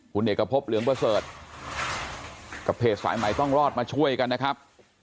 คุณเด็กกระพบเหลืองเบอร์เซิร์ธกับเพจสายใหม่ต้องรอดมาช่วยกันนะครับ